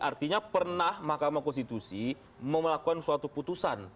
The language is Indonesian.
artinya pernah mahkamah konstitusi mau melakukan suatu putusan